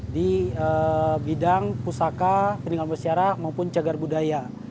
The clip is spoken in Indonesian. di bidang pusaka peninggalan bersyarah maupun cegar budaya